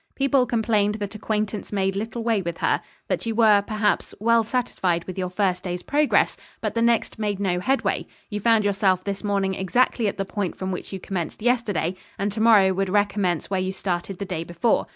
People complained that acquaintance made little way with her. That you were, perhaps, well satisfied with your first day's progress, but the next made no head way; you found yourself this morning exactly at the point from which you commenced yesterday, and to morrow would recommence where you started the day before.